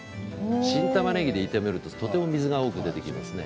新たまねぎで炒めるととても水が多く出てきますね。